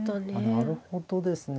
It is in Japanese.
なるほどですね。